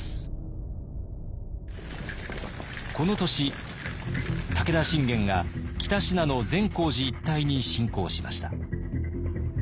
この年武田信玄が北信濃善光寺一帯に侵攻しました。